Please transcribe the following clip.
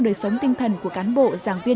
đời sống tinh thần của cán bộ giảng viên